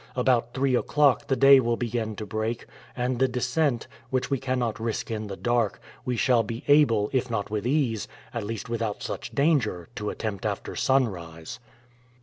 About three o'clock the day will begin to break, and the descent, which we cannot risk in the dark, we shall be able, if not with ease, at least without such danger, to attempt after sunrise."